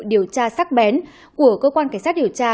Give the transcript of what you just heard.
điều tra sắc bén của cơ quan cảnh sát điều tra